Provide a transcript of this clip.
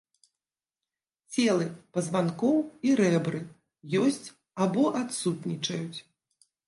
Целы пазванкоў і рэбры ёсць або адсутнічаюць.